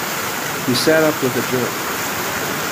He sat up with a jerk.